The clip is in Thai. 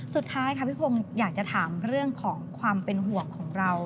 สุดท้ายค่ะพี่พงศ์อยากจะถามเรื่องของความเป็นห่วงของเรา